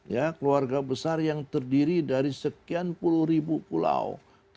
ya keluarga besar yang terdiri dari sekian puluh ribu pulau